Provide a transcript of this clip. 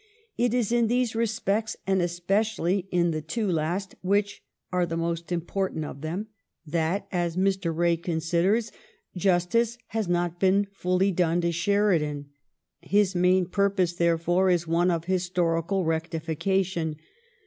It is in these respects, and especially in the two last, which are the most important of them, that, as Mr. Rae considers, justice has not been fully done to Sheridan. His main purpose, therefore, is one of historical rectification.